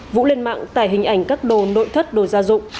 vũ lên mạng tải hình ảnh các đồ nội thất đồ gia dụng